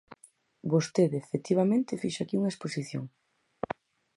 Vostede, efectivamente, fixo aquí unha exposición.